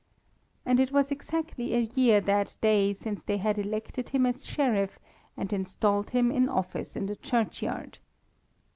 And it was exactly a year that day since they had elected him as Sheriff and installed him in office in the churchyard.